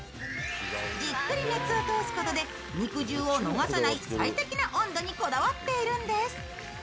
じっくり熱を通すことで、肉汁を逃さない最適な温度にこだわっているんです。